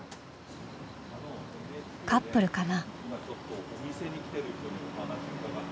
カップルかな？